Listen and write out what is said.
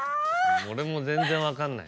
俺も全然分かんない。